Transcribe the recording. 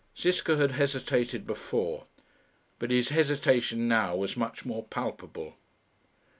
Ziska had hesitated before, but his hesitation now was much more palpable.